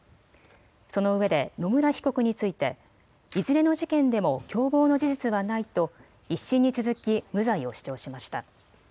そのうえで野村被告についていずれの事件でも共謀の事実はないと１審に続き無罪を主張しました。